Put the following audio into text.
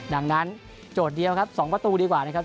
ดังนั้นโจทย์เดียวครับ๒ประตูดีกว่านะครับ